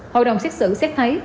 hội đồng xét xử xét thấy